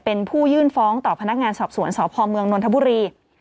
เป็นผู้ยื่นฟ้องต่อพนักงานสอบสวนสพเมืองนนทบุรี